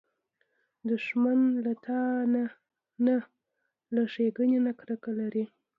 دښمن له تا نه، له ښېګڼې نه کرکه لري